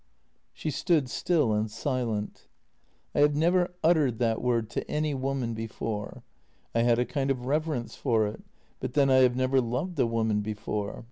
She stood still and silent. " I have never uttered that word to any woman before — I had a kind of reverence for it, but then I have never loved a woman before.